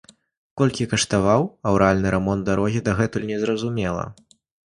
Колькі каштаваў аўральны рамонт дарогі, дагэтуль незразумела.